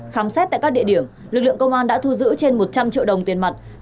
khám xét tại các địa điểm lực lượng công an đã thu giữ trên một trăm linh triệu đồng tiền mặt